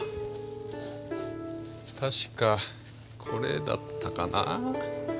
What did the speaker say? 確かこれだったかな。